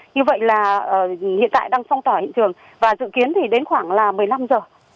như vậy là hiện tại đang phong tỏa hiện trường và dự kiến thì đến khoảng là một mươi năm giờ